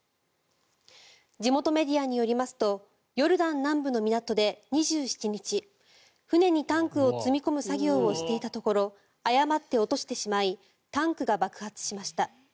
地元メディアによりますとヨルダン南部の港で２７日船にタンクを積み込む作業をしていたところ誤って落としてしまいタンクが爆発しました。